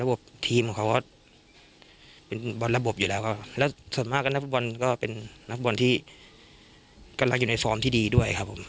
ทีมของเขาก็เป็นบอลระบบอยู่แล้วก็แล้วส่วนมากก็นักฟุตบอลก็เป็นนักฟุตบอลที่ก็รักอยู่ในฟอร์มที่ดีด้วยครับผม